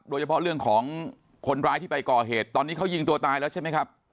โดยเฉพาะเรื่องของคนร้ายที่ไปก่อเหตุตอนนี้เขายิงตัวตายแล้วใช่ไหมครับ